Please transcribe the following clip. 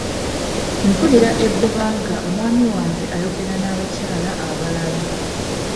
Mpulira ebbuba ng'omwami wange ayagogera n'abakyala abalala.